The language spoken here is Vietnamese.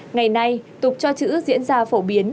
ngày nay tục cho chữ diễn ra phổ biến